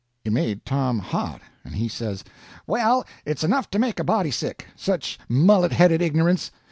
It made Tom hot, and he says: "Well, it's enough to make a body sick, such mullet headed ignorance!